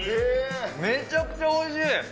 めちゃくちゃおいしい。